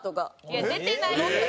いや出てないって。